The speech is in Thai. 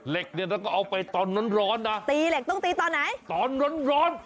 เหล็กเนี่ยนะก็เอาไปตอนร้อนร้อนนะตีเหล็กต้องตีตอนไหนตอนร้อนร้อน